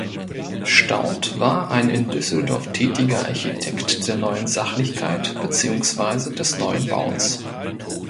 Staudt war ein in Düsseldorf tätiger Architekt der Neuen Sachlichkeit beziehungsweise des Neuen Bauens.